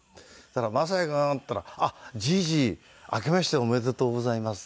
「雅也君！」って言ったら「あっじいじ！明けましておめでとうございます」。